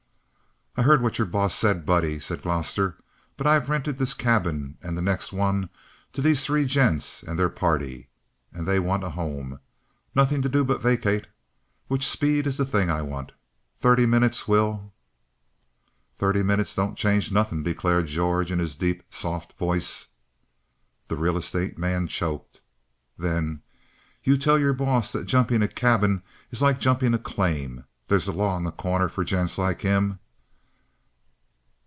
"I heard what your boss said, buddie," said Gloster. "But I've rented this cabin and the next one to these three gents and their party, and they want a home. Nothing to do but vacate. Which speed is the thing I want. Thirty minutes will " "Thirty minutes don't change nothing," declared George in his deep, soft voice. The real estate man choked. Then: "You tell your boss that jumping a cabin is like jumping a claim. They's a law in The Corner for gents like him."